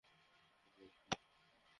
Bake, না!